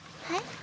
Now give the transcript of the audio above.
はい？